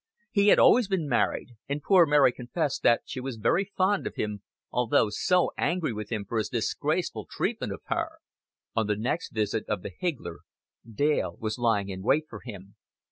He had always been married and poor Mary confessed that she was very fond of him, although so angry with him for his disgraceful treatment of her. On the next visit of the higgler Dale was lying in wait for him.